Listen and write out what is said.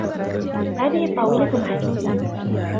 هذه الطاولة محجوزة.